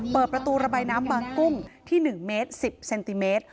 เปิดประตูระบายน้ำบางกุ้งที่๑เมตร๑๐เซนติเมตร